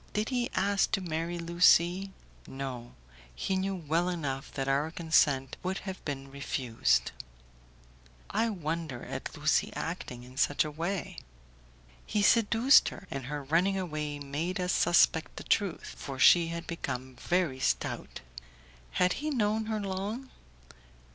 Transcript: Did he ask to marry Lucie?" "No; he knew well enough that our consent would have been refused!" "I wonder at Lucie acting in such a way." "He seduced her, and her running away made us suspect the truth, for she had become very stout." "Had he known her long?"